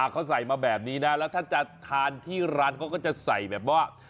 เขาใส่มาแบบนี้นะแล้วถ้าจะทานที่ร้านเขาก็จะใส่แบบว่า